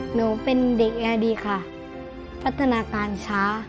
หนูเป็นเด็กแอร์ดีค่ะพัฒนาการช้า